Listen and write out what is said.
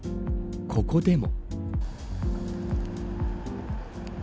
ここでも。